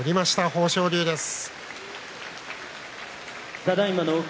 豊昇龍です。